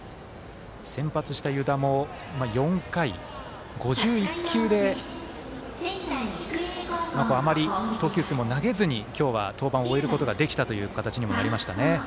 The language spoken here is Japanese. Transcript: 先発した湯田も４回５１球であまり投球数も投げずに今日は登板を終えることができた形にもなりましたね。